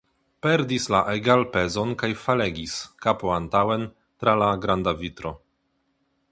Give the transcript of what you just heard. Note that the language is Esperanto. Perdis la egalpezon kaj falegis, kapo antaŭen, tra la granda vitro.